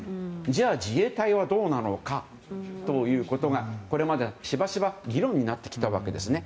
じゃあ、自衛隊はどうなのかということがこれまで、しばしば議論になってきたわけですね。